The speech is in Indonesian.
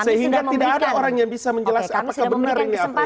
sehingga tidak ada orang yang bisa menjelaskan apakah benar ini apa